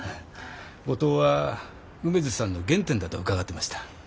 五島は梅津さんの原点だと伺ってました。